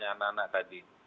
pertanyaan anak anak tadi